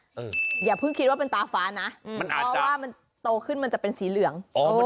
อย่าเพิ่งคิดว่าเป็นตาฟ้านะเพราะว่ามันโตขึ้นมันจะเป็นสีเหลือง